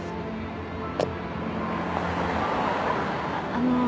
あの。